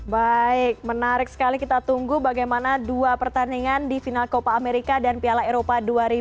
baik menarik sekali kita tunggu bagaimana dua pertandingan di final copa amerika dan piala eropa dua ribu dua puluh